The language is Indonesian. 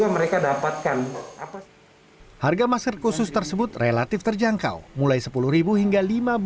mereka dapatkan harga masker khusus tersebut relatif terjangkau mulai sepuluh hingga lima belas